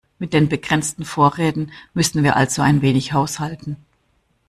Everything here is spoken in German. Mit den begrenzten Vorräten müssen wir also ein wenig haushalten.